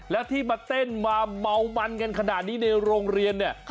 แล้วที่มาเต้นมาเมามันกันขนาดนี้ในโรงเรียนเนี่ย